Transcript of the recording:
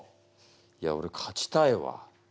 いやおれ勝ちたいわ。